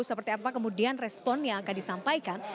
seperti apa kemudian respon yang akan disampaikan